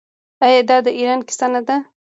آیا دا د ایران کیسه نه ده؟